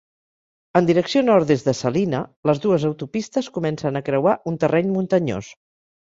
En direcció nord des de Salina, les dues autopistes comencen a creuar un terreny muntanyós.